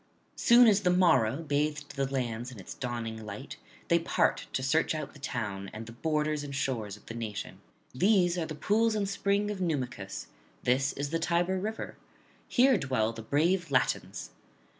Soon as the morrow bathed the lands in its dawning light, they part to search out the town, and the borders and shores of the nation: these are the pools and spring of Numicus; this is the Tiber river; here dwell the brave Latins.